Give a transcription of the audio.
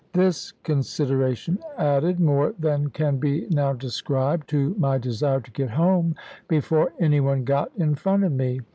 This consideration added, more than can be now described, to my desire to get home before any one got in front of me.